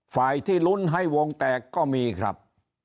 ฝ่ายที่ลุ้นให้วงแตกก็มีครับ